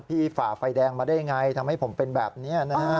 พี่ฝ่าไฟแดงมาได้อย่างไรทำให้ผมเป็นแบบนี้นะ